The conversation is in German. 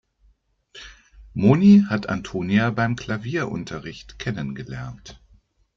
Moni hat Antonia beim Klavierunterricht kennengelernt.